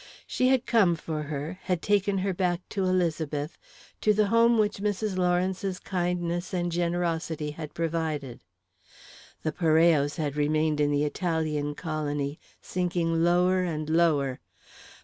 She had come for her, had taken her back to Elizabeth, to the home which Mrs. Lawrence's kindness and generosity had provided. The Parellos had remained with the Italian colony, sinking lower and lower.